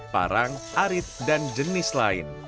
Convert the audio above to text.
parang arit dan jenis lain